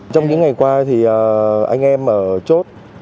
trong những ngày qua thì anh em ở chốt